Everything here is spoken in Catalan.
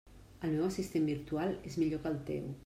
El meu assistent virtual és millor que el teu.